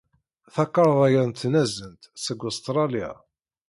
Takarḍa-a n tnazent seg Ustṛalya.